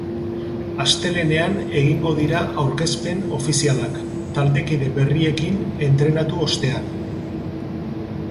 Astelehenean egingo dira aurkezpen ofizialak, taldekide berriekin entrentu ostean.